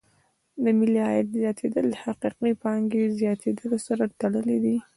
د ملي عاید زیاتېدل د حقیقي پانګې زیاتیدلو سره تړلې دي.